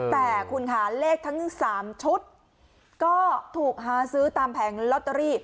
แต่คุณค่ะเลขทั้ง๓ชุดก็ถูกหาซื้อตามแผงลอตเตอรี่